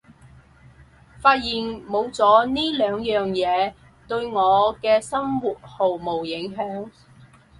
發現冇咗呢兩樣嘢對我嘅生活毫無影響